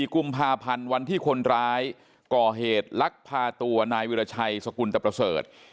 กุมภาพันธ์วันที่คนร้ายก่อเหตุลักพาตัวนายวิราชัยสกุลตะประเสริฐ